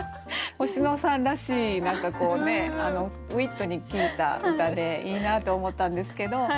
星野さんらしい何かこうねウイットに効いた歌でいいなって思ったんですけど。